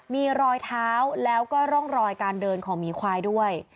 มีรอยเท้าแล้วก็ร่องรอยการเดินของหมีควายด้วย